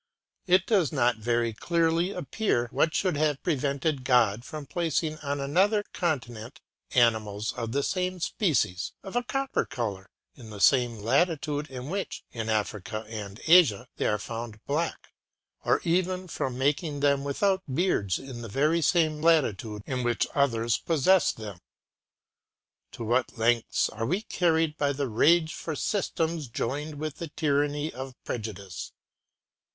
It does not very clearly appear what should have prevented God from placing on another continent animals of the same species, of a copper color, in the same latitude in which, in Africa and Asia, they are found black; or even from making them without beards in the very same latitude in which others possess them. To what lengths are we carried by the rage for systems joined with the tyranny of prejudice!